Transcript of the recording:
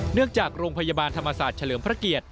จากโรงพยาบาลธรรมศาสตร์เฉลิมพระเกียรติ